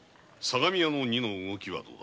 相模屋の荷の動きは？